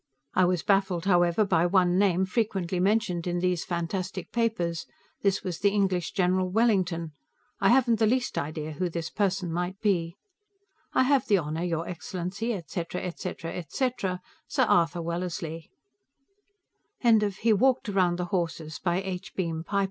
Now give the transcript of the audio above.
I was baffled, however, by one name, frequently mentioned in those fantastic papers. This was the English general, Wellington. I haven't the least idea who this person might be. I have the honor, your excellency, et cetera, et cetera, et cetera, Sir Arthur Wellesley THE END. End of Project Gutenberg's He Walked Around the Horses, by Henry Beam Piper